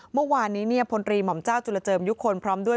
เมื่อวานนี้พลตรีหม่อมเจ้าจุลเจิมยุคลพร้อมด้วย